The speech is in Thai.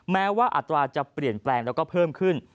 แม้ว่าอัตราจะเปลี่ยนแปลงแล้วก็เพิ่มขึ้น